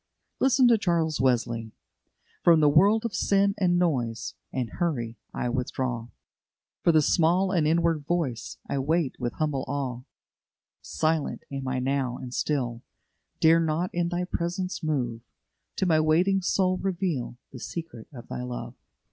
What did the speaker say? Listen to Charles Wesley: "From the world of sin, and noise, And hurry, I withdraw; For the small and inward voice I wait with humble awe; Silent am I now and still, Dare not in Thy presence move; To my waiting soul reveal The secret of Thy love."